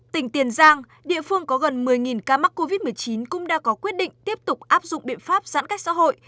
tỉnh tiền giang địa phương có gần một mươi ca mắc covid một mươi chín cũng đã có quyết định tiếp tục áp dụng biện pháp giãn cách xã hội